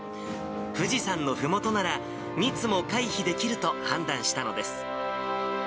富士山のふもとなら、密も回避できると判断したのです。